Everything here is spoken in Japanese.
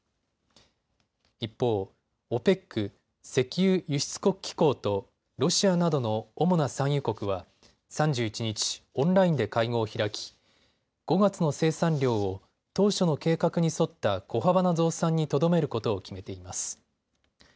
一方、ＯＰＥＣ・石油輸出国機構とロシアなどの主な産油国は３１日、オンラインで会合を開き５月の生産量を当初の計画に沿った小幅な増産にとどめることを決めています。